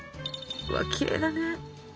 うわきれいだね。